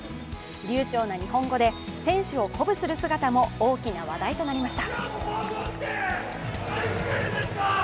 流ちょうな日本語で選手を鼓舞する姿も大きな話題となりました。